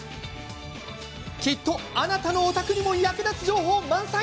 きっと、あなたのお宅にも役立つ情報、満載。